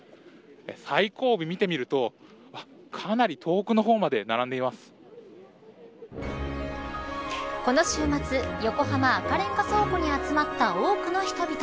最後尾、見てみるとかなり遠くの方までこの週末横浜赤レンガ倉庫に集まった多くの人々。